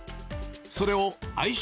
それを相性